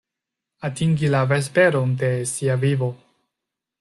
Atingi la vesperon de sia vivo.